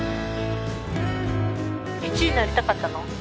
１位になりたかったの？